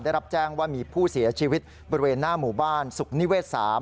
ได้รับแจ้งว่ามีผู้เสียชีวิตบริเวณหน้าหมู่บ้านสุขนิเวศ๓